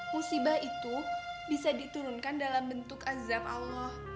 musibah itu bisa diturunkan dalam bentuk azab allah